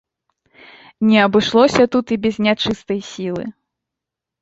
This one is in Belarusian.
Не абышлося тут і без нячыстай сілы.